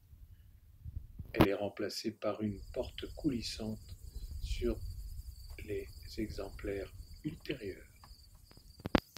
Elle est remplacée par une porte coulissante sur les exemplaires ultérieurs.